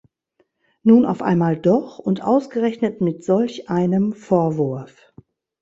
Nun auf einmal doch und ausgerechnet mit solch einem Vorwurf.